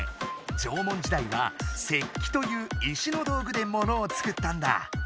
縄文時代は「石器」という石の道具でものを作ったんだ。